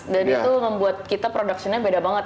dan itu membuat kita productionnya beda banget